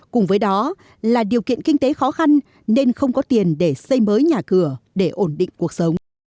cùng với đó là điều kiện kinh tế khó khăn nên không có tiền để xây mới nhà cửa để ổn định cuộc sống